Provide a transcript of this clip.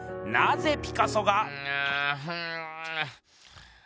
なぜピカソが。